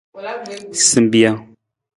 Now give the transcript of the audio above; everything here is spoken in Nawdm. Simbijang.